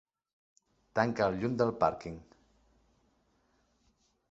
Tanca el llum del pàrquing.